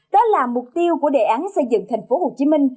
đó là mục tiêu của đề án xây dựng thành phố hồ chí minh